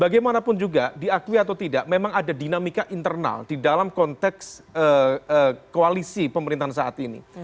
bagaimanapun juga diakui atau tidak memang ada dinamika internal di dalam konteks koalisi pemerintahan saat ini